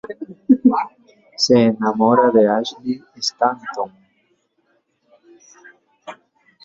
Se enamora de Ashley Stanton.